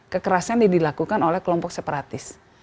kekerasan yang dilakukan oleh kelompok separatis